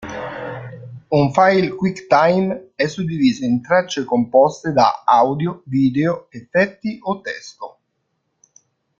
Un file "QuickTime" è suddiviso in tracce composte da audio, video, effetti o testo.